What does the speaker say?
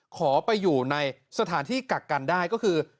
ขอไปอยู่ในสถานที่กักกันได้ก็คือ